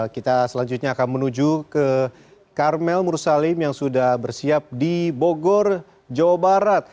kita selanjutnya akan menuju ke karmel mursalim yang sudah bersiap di bogor jawa barat